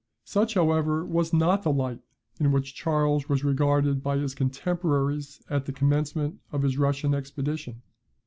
Such, however, was not the light in which Charles was regarded by his contemporaries at the commencement of his Russian expedition.